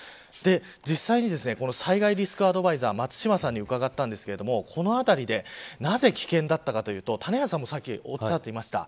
実際に災害リスクアドバイザーの松島さんに伺いましたがこの辺りでなぜ危険だったかというと谷原さんもさっきおっしゃっていました。